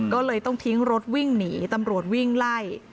ก็เลยต้องทิ้งรถวิ่งหนีตำรวจวิ่งไล่